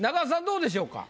どうでしょうか？